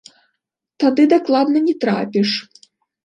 Тады дакладна не трапіш.